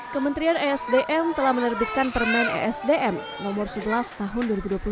kementerian esdm telah menerbitkan permen esdm nomor sebelas tahun dua ribu dua puluh satu